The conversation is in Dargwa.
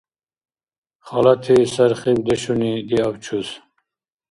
Халати сархибдешуни диаб чус.